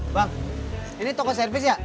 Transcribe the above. bang ini toko servis ya